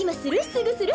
すぐする？